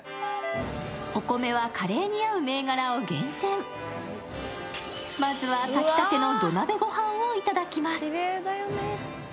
お米はカレーに合う銘柄を厳選まずは炊きたての土鍋ご飯をいただきます